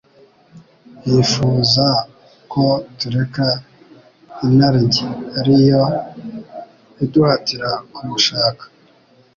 Yifuza ko tureka inarijye ariyo iduhatira kumushaka.